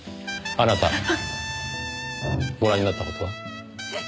あなたご覧になった事は？え？